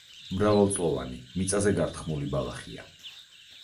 მრავალწლოვანი მიწაზე გართხმული ბალახია.